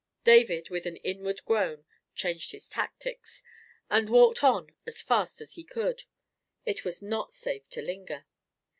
David, with an inward groan, changed his tactics, and walked on as fast as he could. It was not safe to linger.